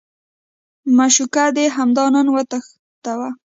معشوقه دې همدا نن وتښتوه.